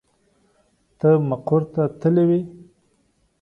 ته مقر ته تللې وې.